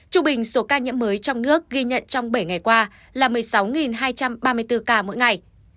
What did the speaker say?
trung bình số ca nhiễm mới trong nước ghi nhận trong bảy ngày qua là một mươi sáu hai trăm ba mươi bốn ca mỗi ngày